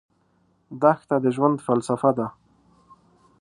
دښته د ژوند فلسفه ده.